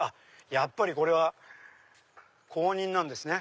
やっぱりこれは公認なんですね。